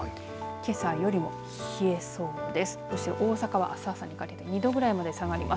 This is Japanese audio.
けさよりも冷えそうです。